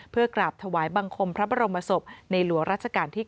เพื่อกราบถวายบังคมพระบรมศพในหลวงราชการที่๙